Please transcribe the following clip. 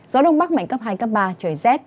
gió đông bắc mạnh cấp hai cấp ba trời rét